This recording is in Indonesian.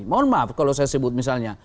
mohon maaf kalau saya sebut misalnya